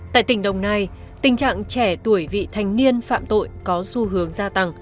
tại tỉnh đồng nai tình trạng trẻ tuổi vị thanh niên phạm tội có xu hướng gia tăng